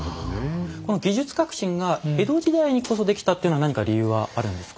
この技術革新が江戸時代にこそできたっていうのは何か理由はあるんですか？